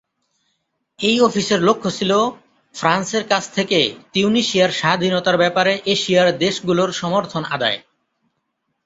এই অফিসের লক্ষ্য ছিল, ফ্রান্সের কাছ থেকে, তিউনিসিয়ার স্বাধীনতার ব্যাপারে এশিয়ার দেশগুলোর সমর্থন আদায়।